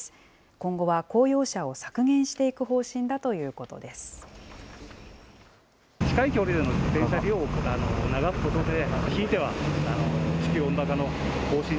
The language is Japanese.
今後は公用車を削減していく方針だということです。